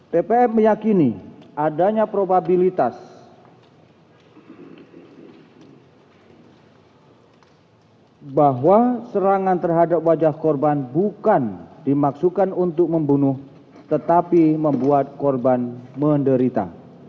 ppm meyakini adanya probabilitas bahwa serangan terhadap wajah korban bukan dimaksudkan untuk membunuh tetapi membuat korban menderita